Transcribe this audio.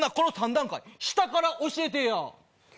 下から教えてや。